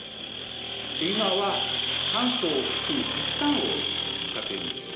今は酸素を含む石炭を使っているんです。